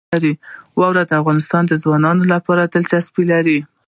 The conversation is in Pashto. واوره د افغان ځوانانو لپاره دلچسپي لري.